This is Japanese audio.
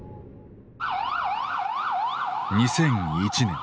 ２００１年。